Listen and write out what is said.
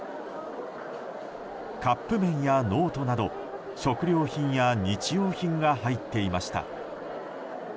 カップ麺やノートなど食料品や日用品が入っていました。